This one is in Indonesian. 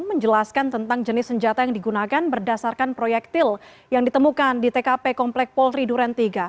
menjelaskan tentang jenis senjata yang digunakan berdasarkan proyektil yang ditemukan di tkp komplek polri duren tiga